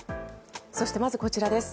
そして、まずこちらです。